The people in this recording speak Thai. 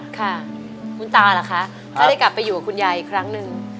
ค่ะคุณตาเหรอคะถ้าได้กลับไปอยู่กับคุณยายอีกครั้งหนึ่ง